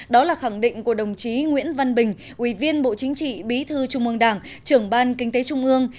đó là khẳng định của đồng chí nguyễn văn bình quý viên bộ chính trị bí thư trung mương đảng trưởng ban kinh tế trung mương